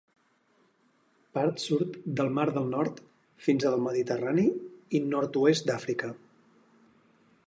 Part sud del mar del Nord, fins al Mediterrani i nord-oest d'Àfrica.